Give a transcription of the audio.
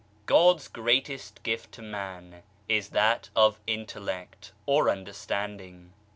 CD'S greatest gift to man is that of Intellect, or Understanding.